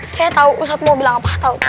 saya tau ustadz mau bilang apa tau